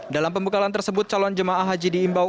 dalam pembekalan tersebut calon jemaah haji diimbau